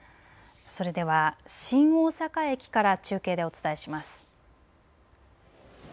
それでは新大阪駅から中継でお伝えします。